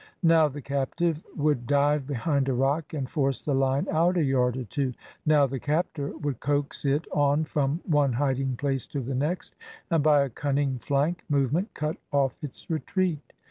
Now the captive would dive behind a rock and force the line out a yard or two; now the captor would coax it on from one hiding place to the next, and by a cunning flank movement cut off its retreat.